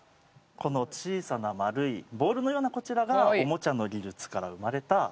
この小さな丸いボールのようなこちらがオモチャの技術から生まれた小型の。